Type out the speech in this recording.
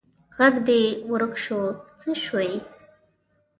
ږغ دي ورک سو څه سوي